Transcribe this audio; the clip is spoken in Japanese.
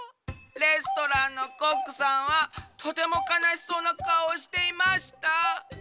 レストランのコックさんはとてもかなしそうなかおをしていました。